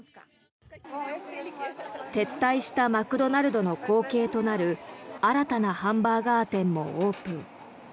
撤退したマクドナルドの後継となる新たなハンバーガー店もオープン。